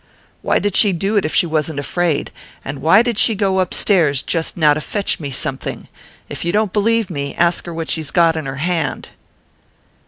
Why did she do it, if she wasn't afraid? And why did she go upstairs just now to fetch me something? If you don't believe me, ask her what she's got in her hand."